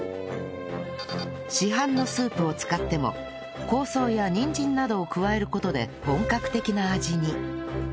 市販のスープを使っても香草やにんじんなどを加える事で本格的な味に